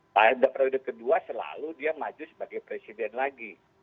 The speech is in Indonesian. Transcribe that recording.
pada periode kedua selalu dia maju sebagai presiden lagi